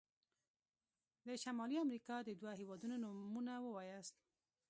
د شمالي امريکا د دوه هيوادونو نومونه ووایاست.